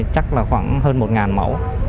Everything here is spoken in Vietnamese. chắc là khoảng hơn một mẫu